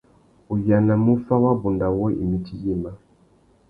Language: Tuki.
U yānamú u fá wabunda wôō imití yïmá.